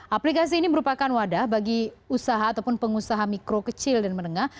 aplikasi ini merupakan wadah bagi usaha ataupun pengusaha mikro kecil dan menengah